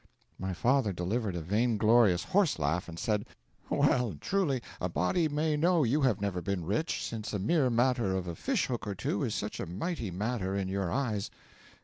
'My father delivered a vain glorious horse laugh, and said: '"Well, truly, a body may know you have never been rich, since a mere matter of a fish hook or two is such a mighty matter in your eyes."